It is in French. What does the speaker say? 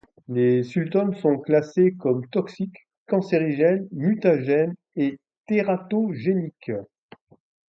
Les sultones sont classées comme toxiques, cancérigènes, mutagènes, et tératogéniques.